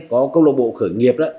có câu lạc bộ khởi nghiệp